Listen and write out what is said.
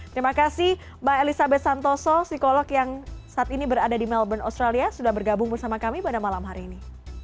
terima kasih mbak elizabeth santoso psikolog yang saat ini berada di melbourne australia sudah bergabung bersama kami pada malam hari ini